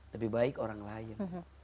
lebih baik orang lain